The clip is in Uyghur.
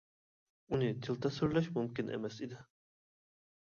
ئۇنى تىل تەسۋىرلەش مۇمكىن ئەمەس ئىدى.